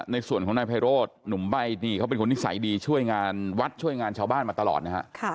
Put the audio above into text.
ในส่วนของนายไพโรธหนุ่มใบ้นี่เขาเป็นคนนิสัยดีช่วยงานวัดช่วยงานชาวบ้านมาตลอดนะฮะ